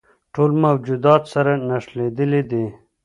ټول موجودات سره نښلیدلي دي.